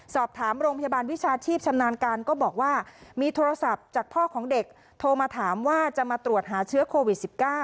สอบถามโรงพยาบาลวิชาชีพชำนาญการก็บอกว่ามีโทรศัพท์จากพ่อของเด็กโทรมาถามว่าจะมาตรวจหาเชื้อโควิด๑๙